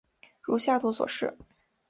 如下图所示。